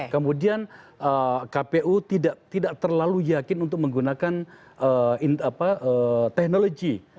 kemudian kpu tidak terlalu yakin untuk menggunakan teknologi